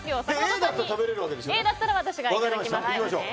Ａだったら私がいただきます。